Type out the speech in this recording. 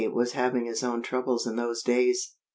was having his own troubles in those days.